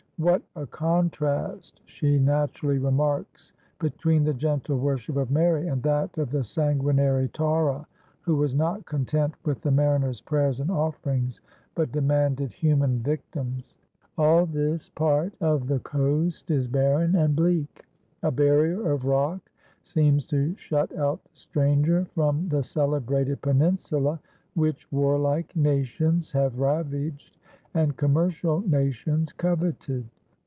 "What a contrast," she naturally remarks, "between the gentle worship of Mary and that of the sanguinary Taura, who was not content with the mariners' prayers and offerings, but demanded human victims!" All this part of the coast is barren and bleak; a barrier of rock seems to shut out the stranger from the celebrated peninsula which warlike nations have ravaged and commercial nations coveted.